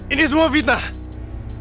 ini semua fitnah